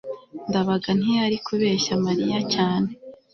ndabaga ntiyari kubeshya mariya cyane